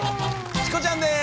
チコちゃんです。